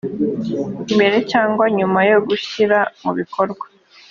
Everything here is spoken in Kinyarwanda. mbere cyangwa nyuma yo gushyira mu bikorwa